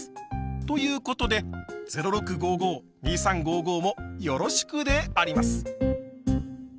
ということで「０６５５」「２３５５」もよろしくであります！